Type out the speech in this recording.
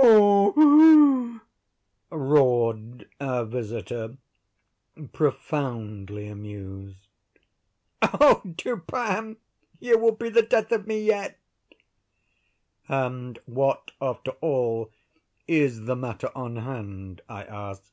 ho!" roared our visitor, profoundly amused, "oh, Dupin, you will be the death of me yet!" "And what, after all, is the matter on hand?" I asked.